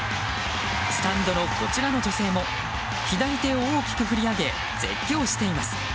スタンドのこちらの女性も左手を大きく振り上げ絶叫しています。